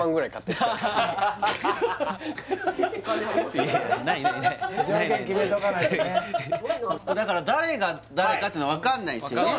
これだから誰が誰かっていうの分かんないんすよね？